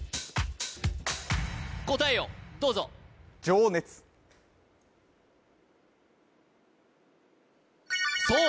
答えをどうぞそう！